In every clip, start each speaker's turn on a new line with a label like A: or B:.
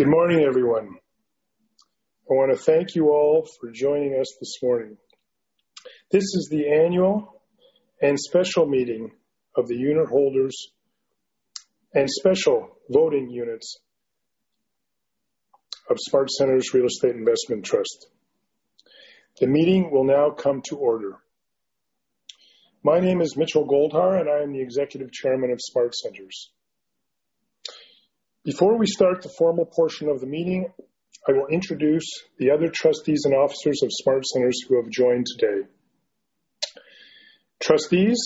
A: Good morning, everyone. I want to thank you all for joining us this morning. This is the annual and special meeting of the unitholders and special voting units of SmartCentres Real Estate Investment Trust. The meeting will now come to order. My name is Mitchell Goldhar, and I am the Executive Chairman of SmartCentres. Before we start the formal portion of the meeting, I will introduce the other trustees and officers of SmartCentres who have joined today. Trustees: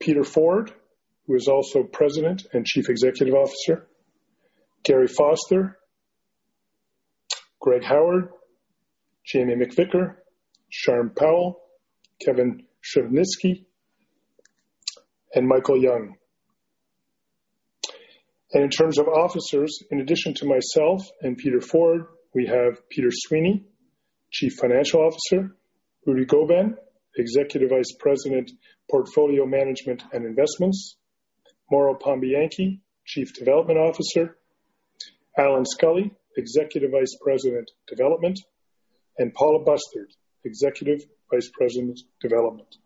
A: Peter Forde, who is also President and Chief Executive Officer, Garry Foster, Greg Howard, Jamie McVicar, Sharm Powell, Kevin Kobus, and Michael Young. And in terms of officers, in addition to myself and Peter Forde, we have Peter Sweeney, Chief Financial Officer, Rudy Gobin, Executive Vice President, Portfolio Management and Investments, Mauro Pambianchi, Chief Development Officer, Allan Scully, Executive Vice President, Development, and Paula Bustard, Executive Vice President, Development.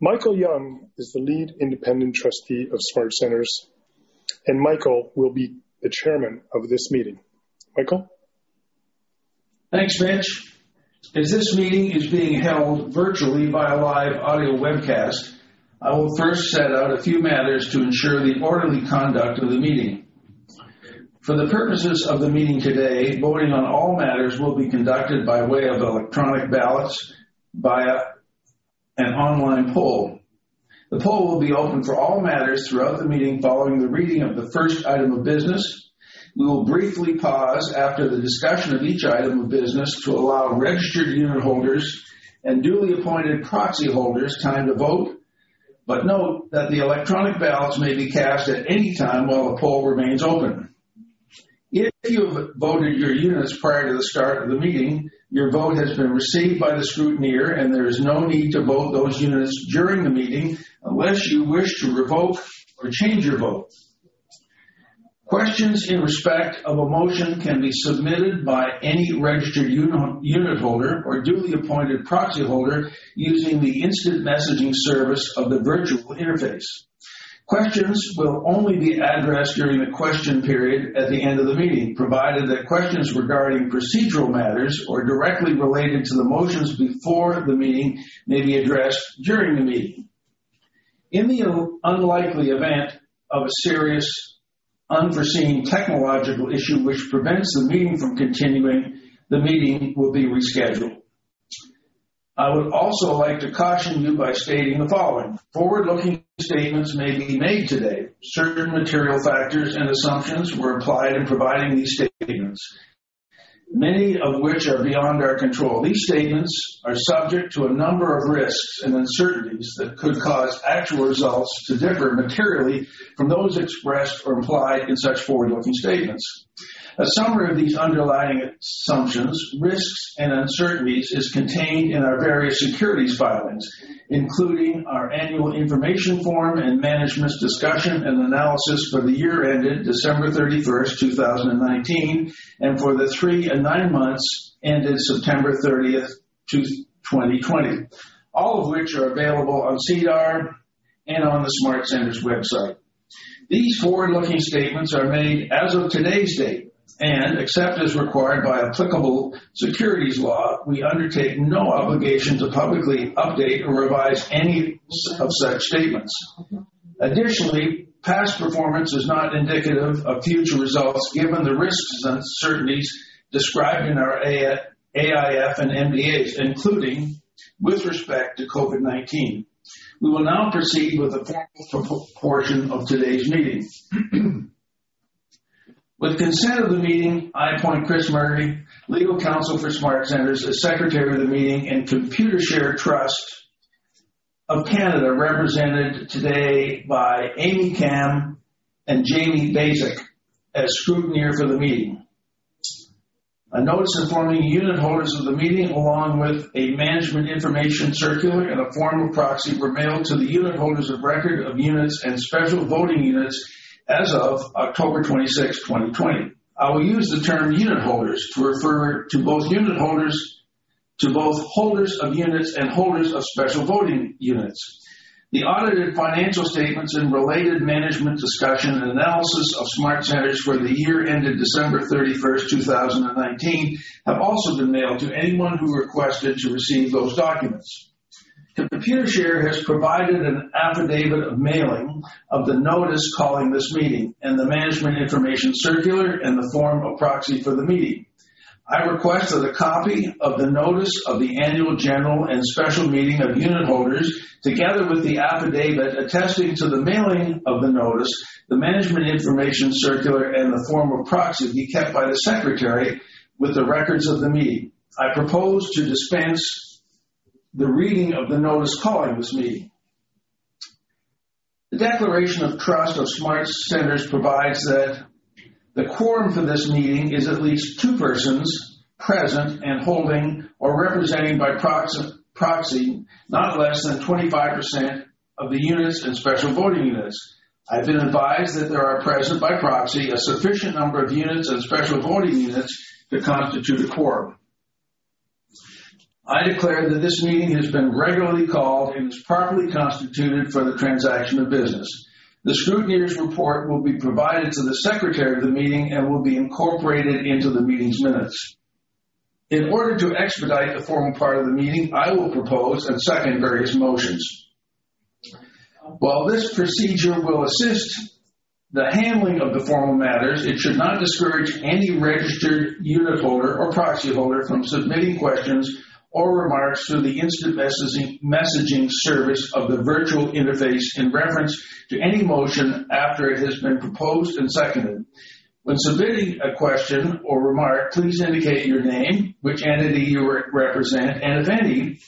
A: Michael Young is the Lead Independent Trustee of SmartCentres, and Michael will be the Chairman of this meeting. Michael?
B: Thanks, Mitch. As this meeting is being held virtually by a live audio webcast, I will first set out a few matters to ensure the orderly conduct of the meeting. For the purposes of the meeting today, voting on all matters will be conducted by way of electronic ballots via an online poll. The poll will be open for all matters throughout the meeting following the reading of the first item of business. We will briefly pause after the discussion of each item of business to allow registered unitholders and duly appointed proxy holders time to vote, but note that the electronic ballots may be cast at any time while the poll remains open. If you've voted your units prior to the start of the meeting, your vote has been received by the scrutineer, and there is no need to vote those units during the meeting unless you wish to revoke or change your vote. Questions in respect of a motion can be submitted by any registered unitholder or duly appointed proxy holder using the instant messaging service of the virtual interface. Questions will only be addressed during the question period at the end of the meeting, provided that questions regarding procedural matters or directly related to the motions before the meeting may be addressed during the meeting. In the unlikely event of a serious unforeseen technological issue which prevents the meeting from continuing, the meeting will be rescheduled. I would also like to caution you by stating the following: forward-looking statements may be made today. Certain material factors and assumptions were implied in providing these statements, many of which are beyond our control. These statements are subject to a number of risks and uncertainties that could cause actual results to differ materially from those expressed or implied in such forward-looking statements. A summary of these underlying assumptions, risks, and uncertainties is contained in our various securities filings, including our Annual Information Form and Management's Discussion and Analysis for the year ended December thirty-first, two thousand and nineteen, and for the three and nine months ended September 30, 2020, all of which are available on SEDAR and on the SmartCentres website. These forward-looking statements are made as of today's date, and except as required by applicable securities law, we undertake no obligation to publicly update or revise any of such statements. Additionally, past performance is not indicative of future results, given the risks and uncertainties described in our AIF and MDAs, including with respect to COVID-19. We will now proceed with the formal portion of today's meeting. With consent of the meeting, I appoint Chris Murray, legal counsel for SmartCentres, as Secretary of the meeting, and Computershare Trust of Canada, represented today by Amy Kam and Jamie Basik, as scrutineer for the meeting. A notice informing unitholders of the meeting, along with a Management Information Circular and a formal proxy, were mailed to the unitholders of record of units and special voting units as of October 26, 2020. I will use the term unitholders to refer to both holders of units and holders of special voting units. The audited financial statements and related management discussion and analysis of SmartCentres for the year ended December thirty-first, two thousand and nineteen, have also been mailed to anyone who requested to receive those documents. The Computershare has provided an affidavit of mailing of the notice calling this meeting, and the Management Information Circular and the form of proxy for the meeting. I request that a copy of the notice of the annual general and special meeting of unitholders, together with the affidavit attesting to the mailing of the notice, the Management Information Circular, and the form of proxy, be kept by the Secretary with the records of the meeting. I propose to dispense the reading of the notice calling this meeting. The Declaration of Trust of SmartCentres provides that the quorum for this meeting is at least two persons present and holding or representing by proxy, not less than 25% of the units and special voting units. I've been advised that there are present by proxy, a sufficient number of units and special voting units that constitute a quorum. I declare that this meeting has been regularly called and is properly constituted for the transaction of business. The scrutineer's report will be provided to the secretary of the meeting and will be incorporated into the meeting's minutes. In order to expedite the formal part of the meeting, I will propose and second various motions. While this procedure will assist the handling of the formal matters, it should not discourage any registered unitholder or proxy holder from submitting questions or remarks through the instant messaging, messaging service of the virtual interface, in reference to any motion after it has been proposed and seconded. When submitting a question or remark, please indicate your name, which entity you represent, and if any,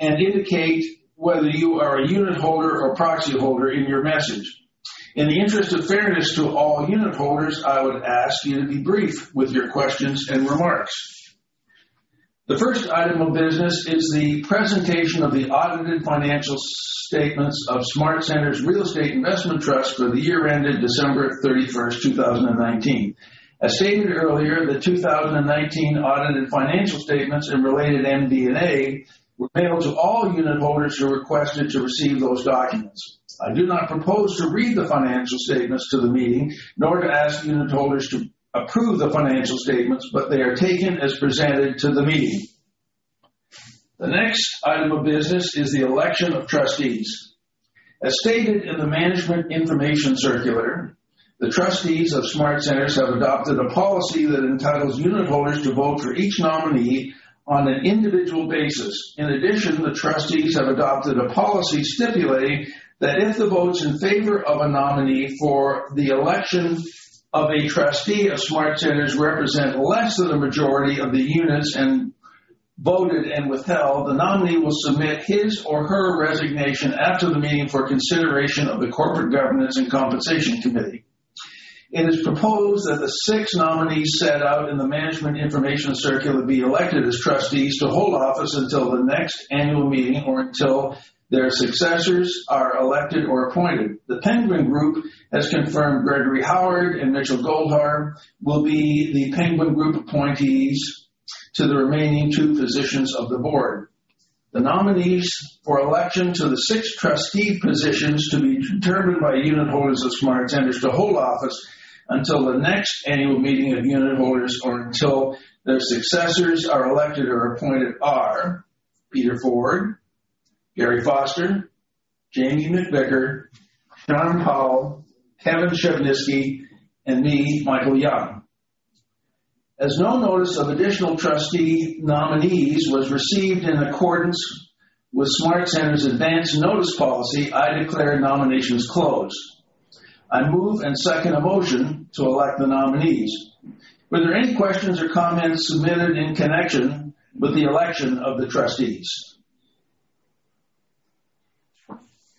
B: and indicate whether you are a unitholder or proxy holder in your message. In the interest of fairness to all unitholders, I would ask you to be brief with your questions and remarks. The first item of business is the presentation of the audited financial statements of SmartCentres Real Estate Investment Trust for the year ended December thirty-first, two thousand and nineteen. As stated earlier, the two thousand and nineteen audited financial statements and related MD&A were mailed to all unitholders who requested to receive those documents. I do not propose to read the financial statements to the meeting, nor to ask unitholders to approve the financial statements, but they are taken as presented to the meeting. The next item of business is the election of trustees. As stated in the Management Information Circular, the trustees of SmartCentres have adopted a policy that entitles unitholders to vote for each nominee on an individual basis. In addition, the trustees have adopted a policy stipulating that if the votes in favor of a nominee for the election of a trustee of SmartCentres represent less than the majority of the units voted and withheld, the nominee will submit his or her resignation after the meeting for consideration of the Corporate Governance and Compensation Committee. It is proposed that the six nominees set out in the Management Information Circular be elected as trustees to hold office until the next annual meeting or until their successors are elected or appointed. The Penguin Group has confirmed Gregory Howard and Mitchell Goldhar will be the Penguin Group appointees to the remaining two positions of the board. The nominees for election to the six trustee positions to be determined by unitholders of SmartCentres, to hold office until the next annual meeting of unitholders or until their successors are elected or appointed, are Peter Forde, Garry Foster, Jamie McVicar, Sharm Powell, Kevin Kobus, and me, Michael Young. As no notice of additional trustee nominees was received in accordance with SmartCentres advance notice policy, I declare nominations closed. I move and second a motion to elect the nominees. Were there any questions or comments submitted in connection with the election of the trustees?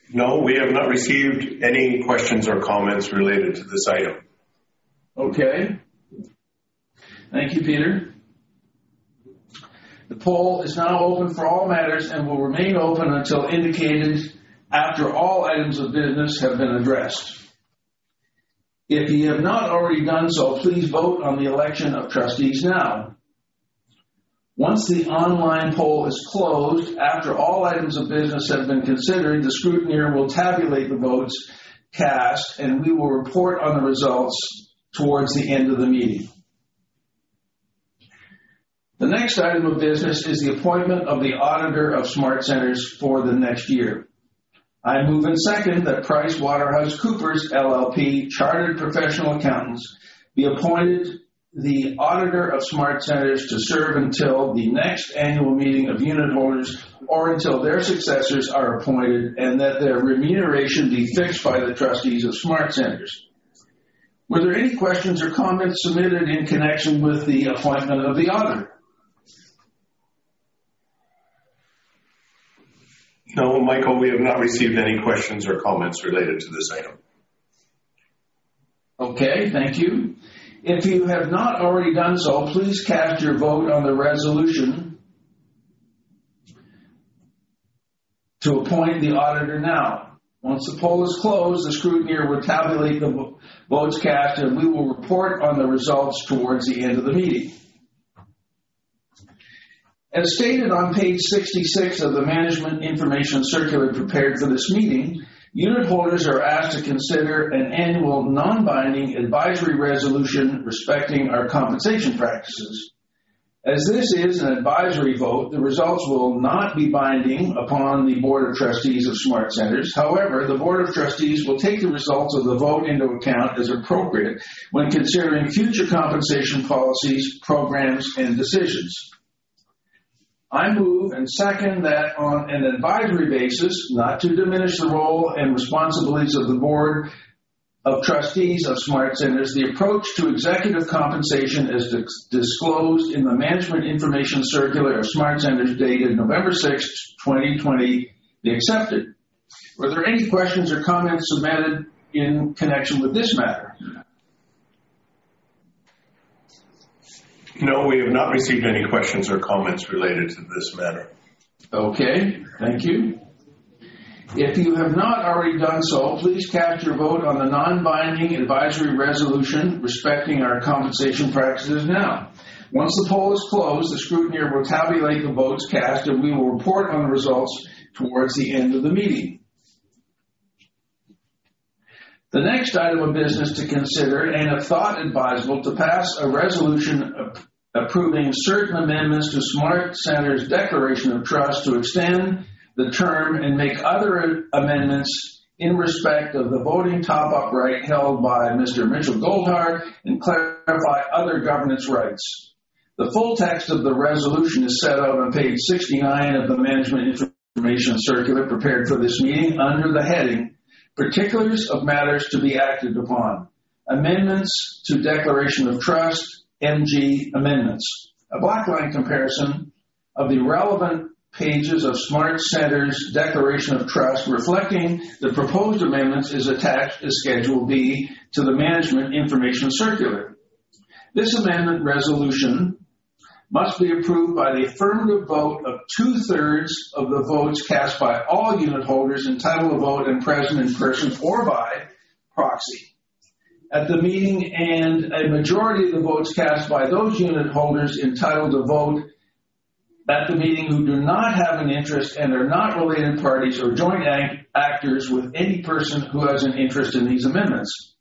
C: No, we have not received any questions or comments related to this item.
B: Okay. Thank you, Peter. The poll is now open for all matters and will remain open until indicated after all items of business have been addressed. If you have not already done so, please vote on the election of trustees now. Once the online poll is closed, after all items of business have been considered, the scrutineer will tabulate the votes cast, and we will report on the results towards the end of the meeting. The next item of business is the appointment of the auditor of SmartCentres for the next year. I move and second that PricewaterhouseCoopers LLP, Chartered Professional Accountants, be appointed the auditor of SmartCentres to serve until the next annual meeting of unitholders or until their successors are appointed, and that their remuneration be fixed by the trustees of SmartCentres. Were there any questions or comments submitted in connection with the appointment of the auditor?
C: No, Michael, we have not received any questions or comments related to this item.
B: Okay. Thank you. If you have not already done so, please cast your vote on the resolution to appoint the auditor now. Once the poll is closed, the scrutineer will tabulate the votes cast, and we will report on the results towards the end of the meeting. As stated on page 66 of the Management Information Circular prepared for this meeting, unitholders are asked to consider an annual non-binding advisory resolution respecting our compensation practices. As this is an advisory vote, the results will not be binding upon the Board of Trustees of SmartCentres. However, the Board of Trustees will take the results of the vote into account as appropriate when considering future compensation policies, programs, and decisions. I move and second that on an advisory basis, not to diminish the role and responsibilities of the Board of Trustees of SmartCentres, the approach to executive compensation is disclosed in the Management Information Circular of SmartCentres, dated November sixth, twenty twenty, be accepted. Were there any questions or comments submitted in connection with this matter?
C: No, we have not received any questions or comments related to this matter.
B: Okay, thank you. If you have not already done so, please cast your vote on the non-binding advisory resolution respecting our compensation practices now. Once the poll is closed, the scrutineer will tabulate the votes cast, and we will report on the results towards the end of the meeting. The next item of business to consider and have thought advisable to pass a resolution approving certain amendments to SmartCentres' Declaration of Trust to extend the term and make other amendments in respect of the voting top-up rate held by Mr. Mitchell Goldhar and clarify other governance rights. The full text of the resolution is set out on page 69 of the Management Information Circular prepared for this meeting under the heading Particulars of Matters to Be Acted Upon, Amendments to Declaration of Trust, MG Amendments. A blackline comparison of the relevant pages of SmartCentres' Declaration of Trust, reflecting the proposed amendments, is attached as Schedule B to the Management Information Circular. This amendment resolution must be approved by the affirmative vote of two-thirds of the votes cast by all unitholders entitled to vote and present in person or by proxy at the meeting, and a majority of the votes cast by those unitholders entitled to vote at the meeting who do not have an interest and are not related parties or joint actors with any person who has an interest in these amendments.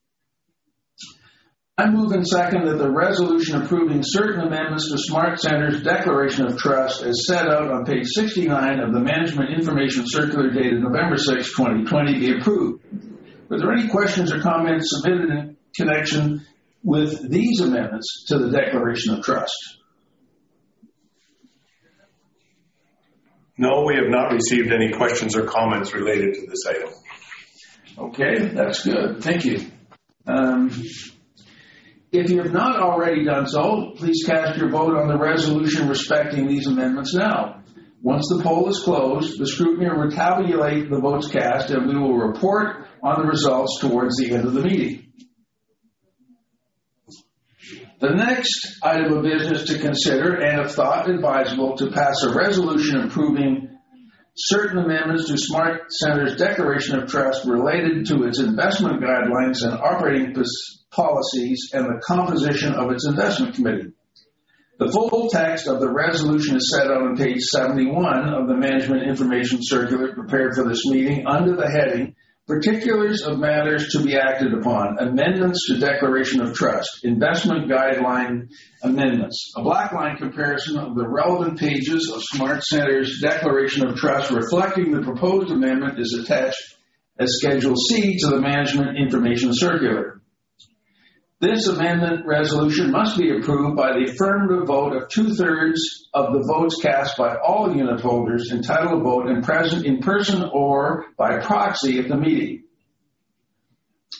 B: I move and second that the resolution approving certain amendments to SmartCentres' Declaration of Trust, as set out on page 69 of the Management Information Circular dated November sixth, 2020, be approved. Were there any questions or comments submitted in connection with these amendments to the Declaration of Trust?
C: No, we have not received any questions or comments related to this item.
B: Okay, that's good. Thank you. If you have not already done so, please cast your vote on the resolution respecting these amendments now. Once the poll is closed, the scrutineer will tabulate the votes cast, and we will report on the results towards the end of the meeting. The next item of business to consider and have thought advisable to pass a resolution approving certain amendments to SmartCentres' Declaration of Trust related to its investment guidelines and operating policies and the composition of its Investment Committee. The full text of the resolution is set out on page 71 of the Management Information Circular prepared for this meeting under the heading Particulars of Matters to be Acted Upon, Amendments to Declaration of Trust, Investment Guideline Amendments. A blackline comparison of the relevant pages of SmartCentres' Declaration of Trust, reflecting the proposed amendment, is attached as Schedule C to the Management Information Circular. This amendment resolution must be approved by the affirmative vote of two-thirds of the votes cast by all unitholders entitled to vote and present in person or by proxy at the meeting.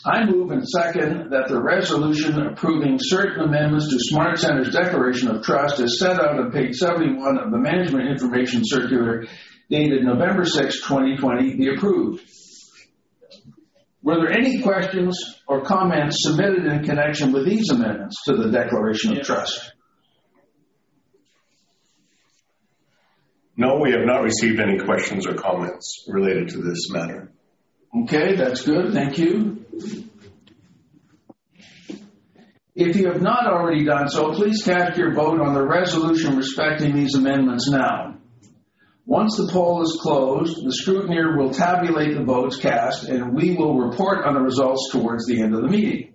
B: I move and second that the resolution approving certain amendments to SmartCentres' Declaration of Trust, as set out on page 71 of the Management Information Circular dated November sixth, 2020, be approved. Were there any questions or comments submitted in connection with these amendments to the Declaration of Trust?
C: No, we have not received any questions or comments related to this matter.
B: Okay, that's good. Thank you. If you have not already done so, please cast your vote on the resolution respecting these amendments now. Once the poll is closed, the scrutineer will tabulate the votes cast, and we will report on the results towards the end of the meeting.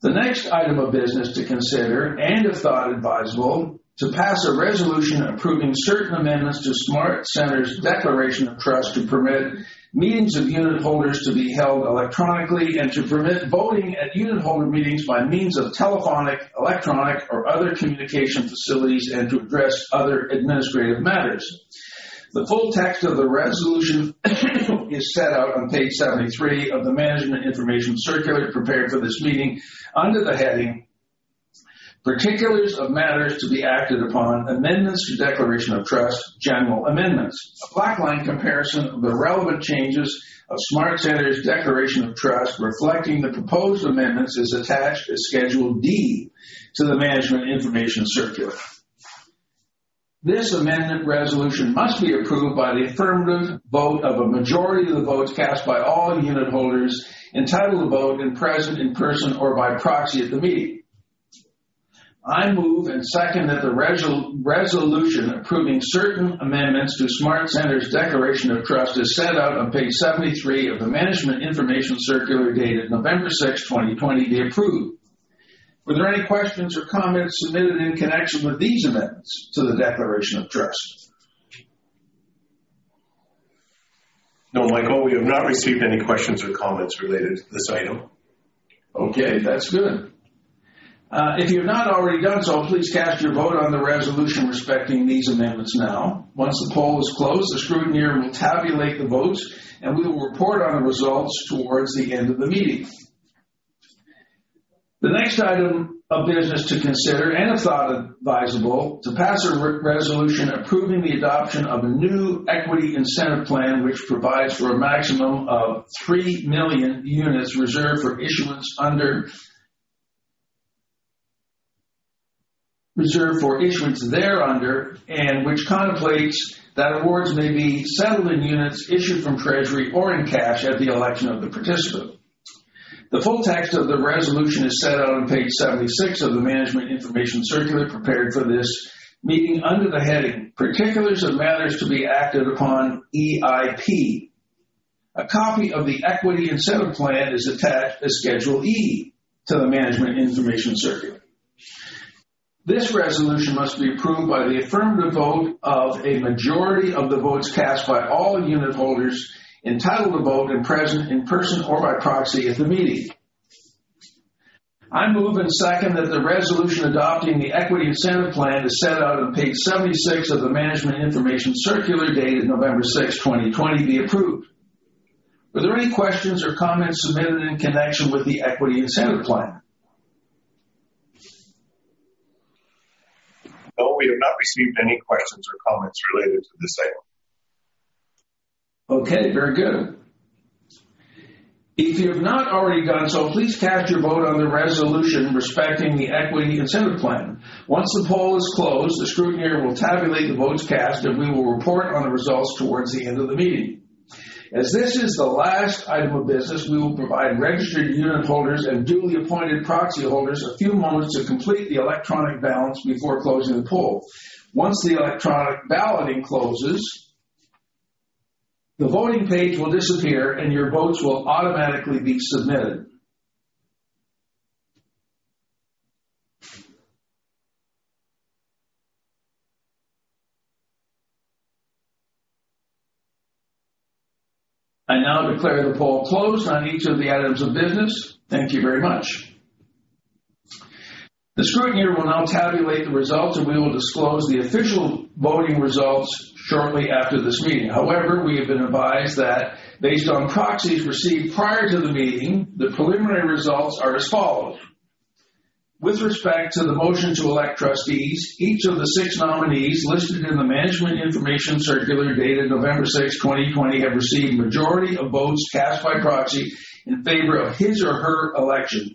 B: The next item of business to consider, and if thought advisable, to pass a resolution approving certain amendments to SmartCentres' Declaration of Trust, to permit meetings of unitholders to be held electronically and to permit voting at unitholder meetings by means of telephonic, electronic, or other communication facilities and to address other administrative matters. The full text of the resolution is set out on page 73 of the Management Information Circular prepared for this meeting under the heading Particulars of Matters to be Acted Upon, Amendments to Declaration of Trust, General Amendments. A blackline comparison of the relevant changes of SmartCentres Declaration of Trust, reflecting the proposed amendments, is attached as Schedule D to the Management Information Circular. This amendment resolution must be approved by the affirmative vote of a majority of the votes cast by all unitholders entitled to vote and present in person or by proxy at the meeting. I move and second that the resolution approving certain amendments to SmartCentres Declaration of Trust, as set out on page 73 of the Management Information Circular dated November sixth, 2020, be approved. Were there any questions or comments submitted in connection with these amendments to the Declaration of Trust?
C: No, Michael, we have not received any questions or comments related to this item.
B: Okay, that's good. If you've not already done so, please cast your vote on the resolution respecting these amendments now. Once the poll is closed, the scrutineer will tabulate the votes, and we will report on the results towards the end of the meeting. The next item of business to consider and thought advisable, to pass a resolution approving the adoption of a new equity incentive plan, which provides for a maximum of three million units reserved for issuance thereunder, and which contemplates that awards may be settled in units issued from treasury or in cash at the election of the participant. The full text of the resolution is set out on page 76 of the Management Information Circular prepared for this meeting under the heading Particulars of Matters to be acted upon, EIP. A copy of the equity incentive plan is attached as Schedule E to the Management Information Circular. This resolution must be approved by the affirmative vote of a majority of the votes cast by all the unitholders entitled to vote and present in person or by proxy at the meeting. I move and second that the resolution adopting the equity incentive plan is set out on page 76 of the Management Information Circular, dated November sixth, 2020, be approved. Were there any questions or comments submitted in connection with the equity incentive plan?
C: No, we have not received any questions or comments related to this item.
B: Okay, very good. If you have not already done so, please cast your vote on the resolution respecting the equity incentive plan. Once the poll is closed, the scrutineer will tabulate the votes cast, and we will report on the results towards the end of the meeting. As this is the last item of business, we will provide registered unitholders and duly appointed proxy holders a few moments to complete the electronic ballot before closing the poll. Once the electronic balloting closes, the voting page will disappear and your votes will automatically be submitted. I now declare the poll closed on each of the items of business. Thank you very much. The scrutineer will now tabulate the results, and we will disclose the official voting results shortly after this meeting. However, we have been advised that based on proxies received prior to the meeting, the preliminary results are as follows: With respect to the motion to elect trustees, each of the six nominees listed in the Management Information Circular dated November 6, 2020, have received majority of votes cast by proxy in favor of his or her election.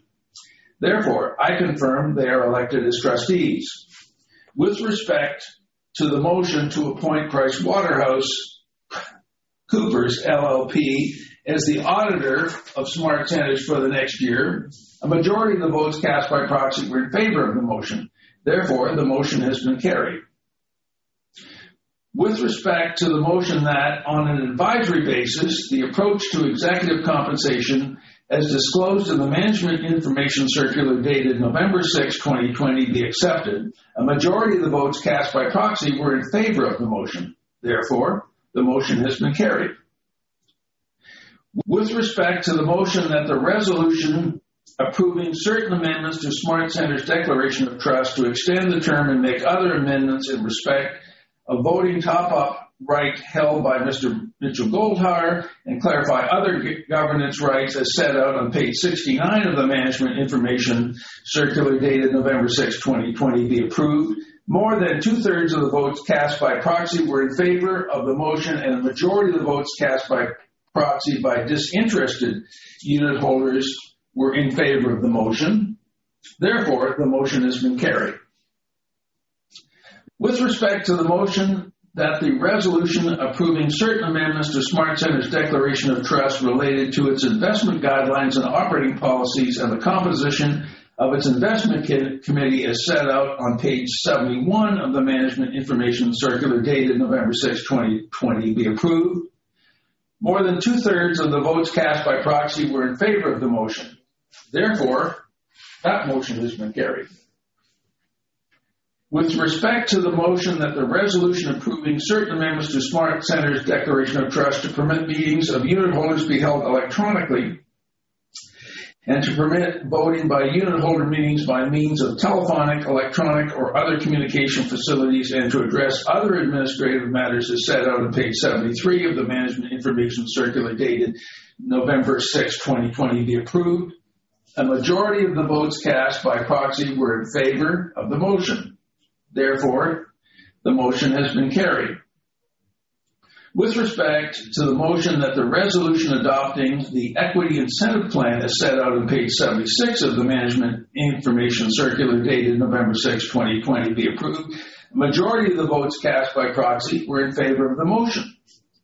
B: Therefore, I confirm they are elected as trustees. With respect to the motion to appoint PricewaterhouseCoopers LLP as the auditor of SmartCentres for the next year, a majority of the votes cast by proxy were in favor of the motion. Therefore, the motion has been carried. With respect to the motion that on an advisory basis, the approach to executive compensation, as disclosed in the Management Information Circular dated November sixth, 2020, be accepted, a majority of the votes cast by proxy were in favor of the motion. Therefore, the motion has been carried. With respect to the motion that the resolution approving certain amendments to SmartCentres' Declaration of Trust, to extend the term and make other amendments in respect of voting top-up right held by Mr. Mitchell Goldhar, and clarify other governance rights as set out on page 69 of the Management Information Circular dated November 6, 2020, be approved. More than two-thirds of the votes cast by proxy were in favor of the motion, and a majority of the votes cast by proxy by disinterested unitholders were in favor of the motion. Therefore, the motion has been carried. With respect to the motion that the resolution approving certain amendments to SmartCentres' Declaration of Trust related to its investment guidelines and operating policies and the composition of its Investment Committee is set out on page 71 of the Management Information Circular dated November 6, 2020, be approved. More than two-thirds of the votes cast by proxy were in favor of the motion. Therefore, that motion has been carried. With respect to the motion that the resolution approving certain amendments to SmartCentres' Declaration of Trust to permit meetings of unitholders be held electronically, and to permit voting by unitholder meetings by means of telephonic, electronic, or other communication facilities, and to address other administrative matters, as set out on page 73 of the Management Information Circular, dated November sixth, 2020, be approved. A majority of the votes cast by proxy were in favor of the motion. Therefore, the motion has been carried. With respect to the motion that the resolution adopting the Equity Incentive Plan, as set out on page 76 of the Management Information Circular, dated November sixth, 2020, be approved. Majority of the votes cast by proxy were in favor of the motion.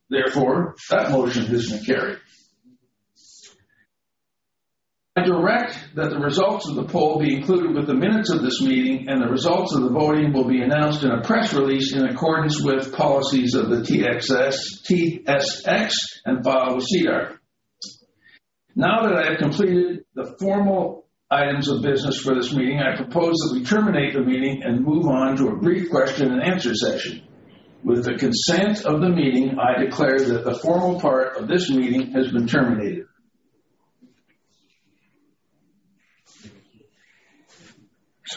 B: Therefore, that motion has been carried. I direct that the results of the poll be included with the minutes of this meeting, and the results of the voting will be announced in a press release in accordance with policies of the TSX. Now that I have completed the formal items of business for this meeting, I propose that we terminate the meeting and move on to a brief question and answer session. With the consent of the meeting, I declare that the formal part of this meeting has been terminated.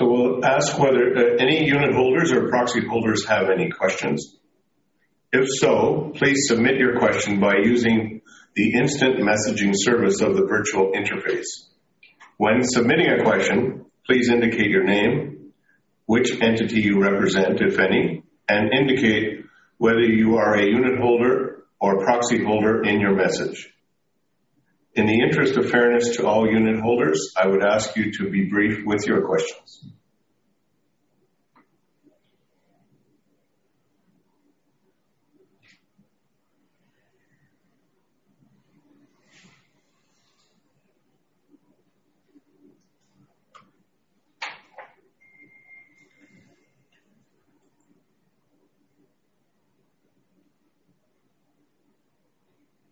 C: We'll ask whether any unitholders or proxy holders have any questions. If so, please submit your question by using the instant messaging service of the virtual interface. When submitting a question, please indicate your name, which entity you represent, if any, and indicate whether you are a unitholder or proxy holder in your message. In the interest of fairness to all unitholders, I would ask you to be brief with your questions.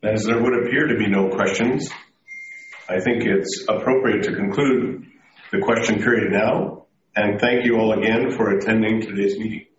C: As there would appear to be no questions, I think it's appropriate to conclude the question period now, and thank you all again for attending today's meeting.